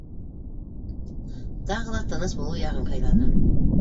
Тағы ла тыныс булыу яғын һайланы: